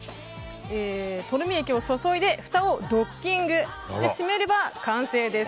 とろみ液を注いでふたをドッキングし閉めれば完成です。